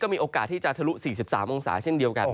มีโอกาสที่จะทะลุ๔๓องศาเช่นเดียวกัน